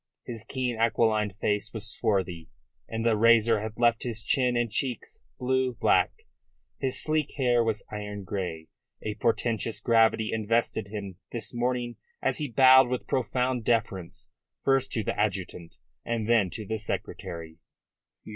His keen aquiline face was swarthy, and the razor had left his chin and cheeks blue black. His sleek hair was iron grey. A portentous gravity invested him this morning as he bowed with profound deference first to the adjutant and then to the secretary.